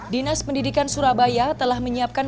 dinas pendidikan surabaya telah menyiapkan